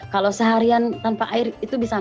kalau seharian tanpa air itu bisa